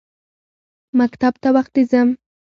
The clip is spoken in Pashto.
مکتب ته وختي ځم.